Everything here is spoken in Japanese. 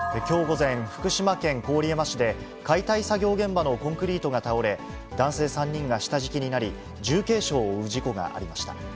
きょう午前、福島県郡山市で、解体作業現場のコンクリートが倒れ、男性３人が下敷きになり、重軽傷を負う事故がありました。